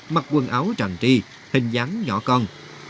mặc quần áo tràn tri hình dáng nhỏ con